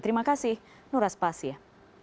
terima kasih nuraz fasih